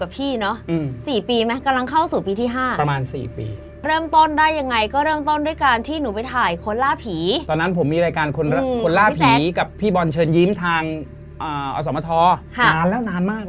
ทางอสมทนานแล้วนานมากแล้ว